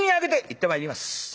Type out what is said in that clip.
「行ってまいります。